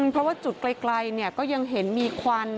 เพราะว่าจุดไกลก็ยังเห็นมีควัน